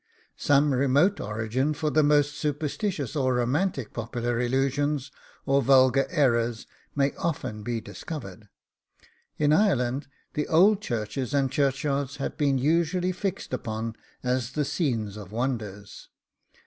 Some remote origin for the most superstitious or romantic popular illusions or vulgar errors may often be discovered. In Ireland, the old churches and churchyards have been usually fixed upon as the scenes of wonders.